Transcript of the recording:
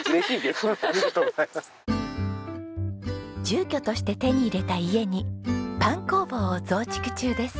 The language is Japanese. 住居として手に入れた家にパン工房を増築中です。